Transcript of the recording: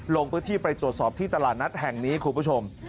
ลงพื้นที่ไปตรวจสอบที่ตลาดนัดแห่งนี้คุณผู้ชม